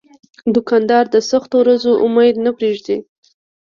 دوکاندار د سختو ورځو امید نه پرېږدي.